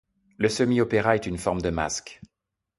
Le semi-opéra est une forme de masque.